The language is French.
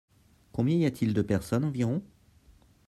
Combien y a-t-il de personnes environ ?